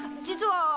実は。